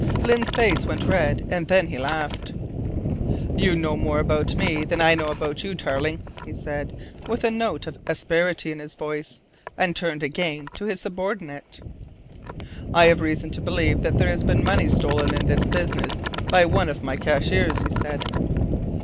Lyne's face went red, and then he laughed. "You know more about me than I know about you, Tarling," he said, with a note of asperity in his voice, and turned again to his subordinate. "I have reason to believe that there has been money stolen in this business by one of my cashiers," he said.